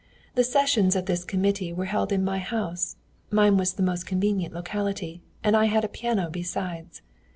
The sessions of this committee were held in my house; mine was the most convenient locality, and I had a piano besides.